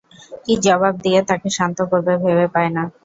কি জবাব দিয়ে তাকে শান্ত করবে ভেবে পায় না।